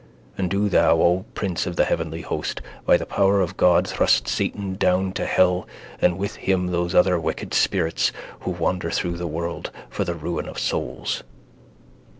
and do thou, O prince of the heavenly host, by the power of God thrust Satan down to hell and with him those other wicked spirits who wander through the world for the ruin of souls.